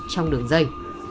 trong đường dây